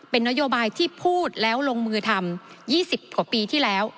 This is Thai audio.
เป็นนโยบายที่พูดแล้วลงมือทำ๒๐กว่าปีที่แล้ว